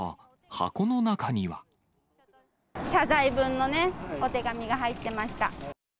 謝罪文のね、お手紙が入ってました。